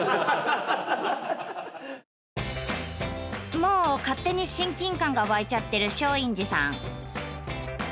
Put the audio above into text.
もう勝手に親近感が湧いちゃってる松陰寺さん